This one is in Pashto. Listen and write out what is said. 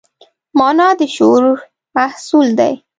مانا د شعور محصول دی.